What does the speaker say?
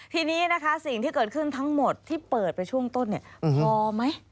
ทีนี้นะคะสิ่งที่เกิดขึ้นทั้งหมดที่เปิดไปช่วงต้นเนี่ยพอไหม